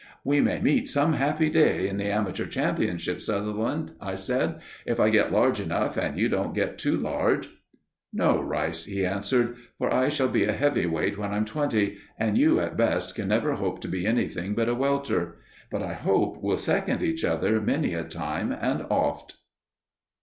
"We may meet some happy day in the Amateur Championships, Sutherland," I said, "if I get large enough and you don't get too large." "No, Rice," he answered; "for I shall be a heavyweight when I'm twenty, and you at best can never hope to be anything but a welter; but I hope we'll second each other many a time and oft."